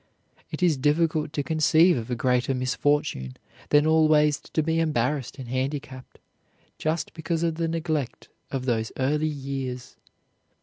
It is difficult to conceive of a greater misfortune than always to be embarrassed and handicapped just because of the neglect of those early years.